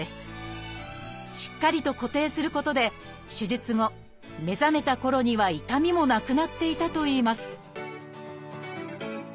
しっかりと固定することで手術後目覚めたころには痛みもなくなっていたといいます